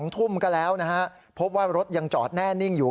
๒ทุ่มก็แล้วนะฮะพบว่ารถยังจอดแน่นิ่งอยู่